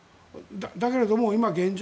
だけれども今、現状